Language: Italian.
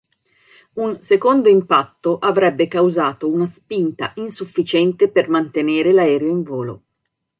Un secondo impatto avrebbe causato una spinta insufficiente per mantenere l'aereo in volo.